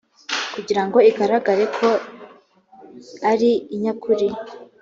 kugirango igaragare ko ari inyakuri